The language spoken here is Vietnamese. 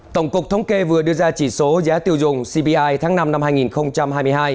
tổng cục thống kê vừa đưa ra chỉ số giá tiêu dùng cpi tháng năm năm hai nghìn hai mươi hai